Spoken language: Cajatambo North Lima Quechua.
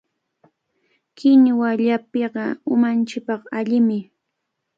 Kinuwa llapiqa umanchikpaq allimi.